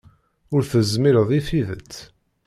Ur tezmireḍ i tidet.